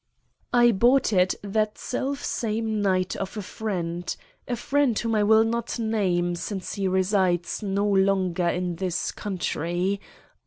"I bought it that self same night of a friend; a friend whom I will not name, since he resides no longer in this country.